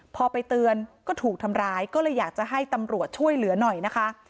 พอไปเตือนก็ถูกทำร้ายก็เลยอยากจะให้ตำรวจช่วยเหลือหน่อยนะคะ